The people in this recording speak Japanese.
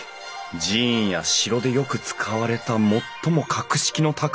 寺院や城でよく使われた最も格式の高い構造。